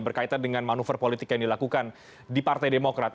berkaitan dengan manuver politik yang dilakukan di partai demokrat